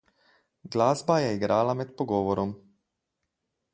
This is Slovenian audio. Glasba je igrala med pogovorom.